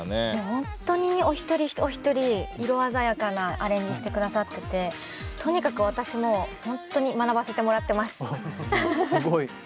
本当にお一人お一人色鮮やかなアレンジしてくださっててとにかく私も本当にすごい！